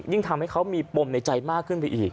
ยิ่งทำให้เขามีปมในใจมากขึ้นไปอีก